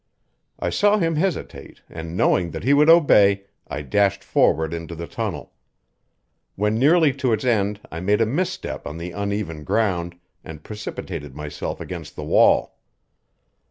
I saw him hesitate, and, knowing that he would obey, I dashed forward into the tunnel. When nearly to its end I made a misstep on the uneven ground and precipitated myself against the wall.